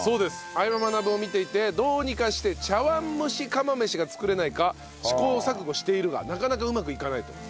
『相葉マナブ』を見ていてどうにかして茶碗蒸し釜飯が作れないか試行錯誤しているがなかなかうまくいかないと。